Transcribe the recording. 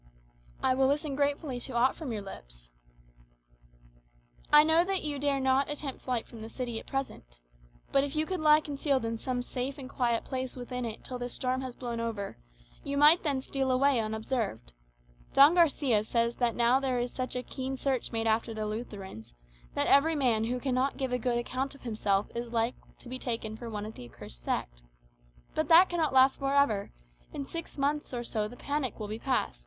"I will listen gratefully to aught from your lips." "I know that you dare not attempt flight from the city at present. But if you could lie concealed in some safe and quiet place within it till this storm has blown over, you might then steal away unobserved. Don Garçia says that now there is such a keen search made after the Lutherans, that every man who cannot give a good account of himself is like to be taken for one of the accursed sect. But that cannot last for ever; in six months or so the panic will be past.